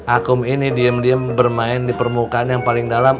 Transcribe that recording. akum ini diem diem bermain di permukaan yang paling dalam